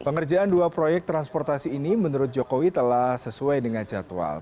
pengerjaan dua proyek transportasi ini menurut jokowi telah sesuai dengan jadwal